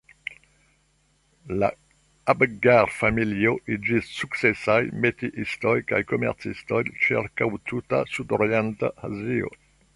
La Abgar-familio iĝis sukcesaj metiistoj kaj komercistoj ĉirkaŭ tuta sudorienta Azio.